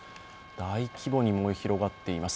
大規模に燃え広がっています。